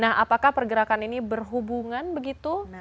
apakah pergerakan ini berhubungan begitu